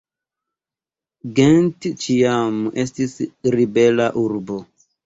Gent ĉiam estis ribela urbo.